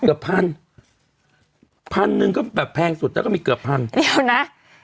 เกือบพันพันหนึ่งก็แบบแพงสุดแล้วก็มีเกือบพันเดี๋ยวนะ